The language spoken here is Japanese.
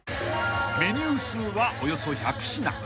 ［メニュー数はおよそ１００品］